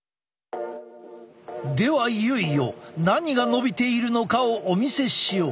ではいよいよ何が伸びているのかをお見せしよう。